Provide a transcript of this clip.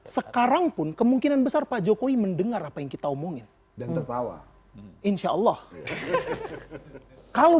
sekarang pun kemungkinan besar pak jokowi mendengar api kita omongin dan tertawa insyaallah kalau